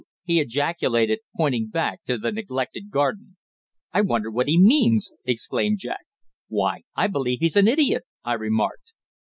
he ejaculated, pointing back to the neglected garden. "I wonder what he means!" exclaimed Jack. "Why, I believe he's an idiot!" I remarked.